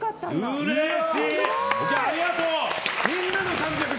うれしい！